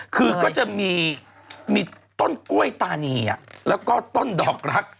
คือก็จะมีต้นกล้วยตานีแล้วก็ต้นดอกรัก